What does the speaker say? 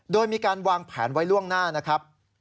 โดยมีการวางแผนไว้ล่วงหน้านะครับ